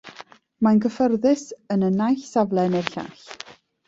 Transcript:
Mae'n gyffyrddus yn y naill safle neu'r llall.